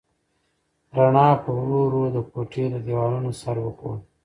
رڼا په ورو ورو د کوټې له دیوالونو سر وخوړ.